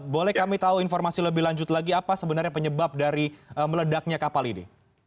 boleh kami tahu informasi lebih lanjut lagi apa sebenarnya penyebab dari meledaknya kapal ini